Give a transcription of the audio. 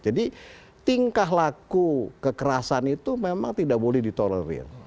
jadi tingkah laku kekerasan itu memang tidak boleh ditolerir